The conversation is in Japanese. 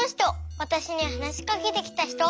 わたしにはなしかけてきた人。